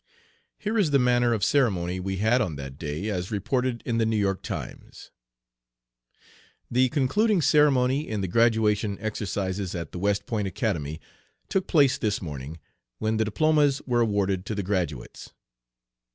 Here is the manner of ceremony we had on that day, as reported in the New York Times: "The concluding ceremony in the graduation exercises at the West Point Academy took place this morning, when the diplomas were awarded to the graduates.